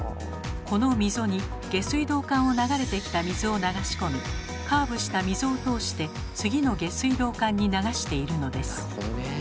この溝に下水道管を流れてきた水を流し込みカーブした溝を通して次の下水道管に流しているのです。